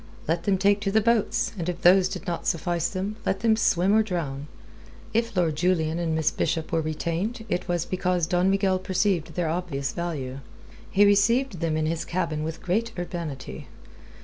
Let them take to the boats, and if those did not suffice them, let them swim or drown. If Lord Julian and Miss Bishop were retained, it was because Don Miguel perceived their obvious value. He received them in his cabin with great urbanity.